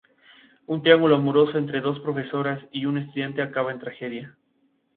Un triángulo amoroso entre dos profesoras y un estudiante acaba en tragedia.